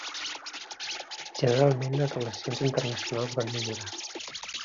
Generalment les relacions internacionals van millorar.